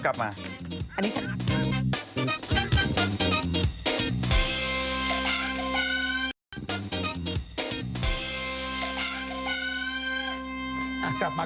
กลับมากับข่าวใส่ขา